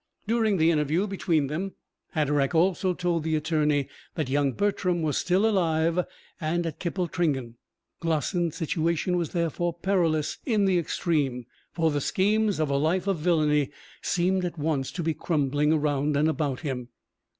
During the interview between them, Hatteraick also told the attorney that young Bertram was still alive, and at Kippletringan. Glossin's situation was therefore perilous in the extreme, for the schemes of a life of villainy seemed at once to be crumbling around and about him.